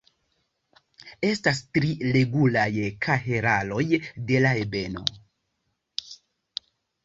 Estas tri regulaj kahelaroj de la ebeno.